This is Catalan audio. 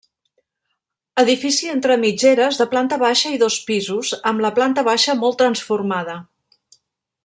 Edifici entre mitgeres, de planta baixa i dos pisos, amb la planta baixa molt transformada.